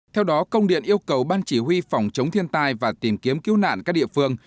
theo đó công điện yêu cầu ban chỉ huy phòng chống thiên tai và tìm kiếm cứu nạn các địa phương